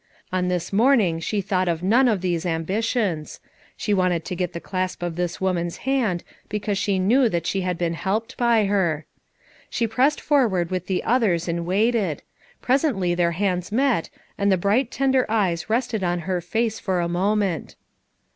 On this morning she thought of none of these ambitions ; she wanted to get the clasp of this woman's hand because she knew that she had been helped by her. She pressed forward with the others and waited. Presently their hands met and the bright, tender eyes rested on her face for a mo ment.